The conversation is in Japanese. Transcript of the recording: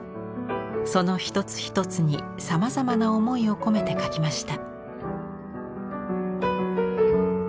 その一つ一つにさまざまな思いを込めて描きました。